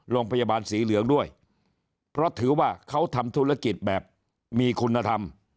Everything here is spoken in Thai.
โรงพยาบาลสีเหลืองด้วยเพราะถือว่าเขาทำธุรกิจแบบมีคุณธรรม